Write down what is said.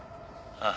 ああ。